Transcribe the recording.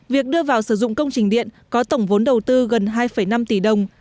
việc đưa vào sử dụng công trình điện có tổng vốn đầu tư gần hai năm tỷ đồng